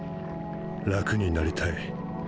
「楽になりたい」